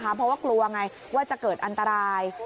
เพราะว่ากลัวไงว่าจะเกิดอันตราย